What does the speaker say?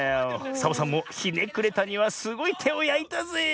サボさんもひねくれたにはすごいてをやいたぜえ。